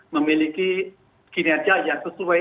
memiliki kinerja yang sesuai